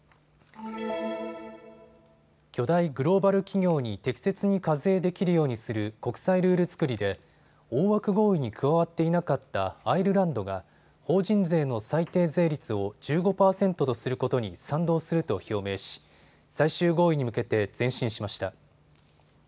巨大グローバル企業に適切に課税できるようにする国際ルール作りで大枠合意に加わっていなかったアイルランドが法人税の最低税率を１５％とすることに賛同すると表明し最終合意に向けて前進しました。